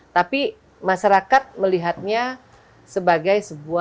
tapi masyarakat melihatnya sebagai sebuah